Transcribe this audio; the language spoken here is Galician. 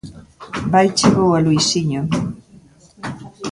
–Vaiche boa, Luisiño.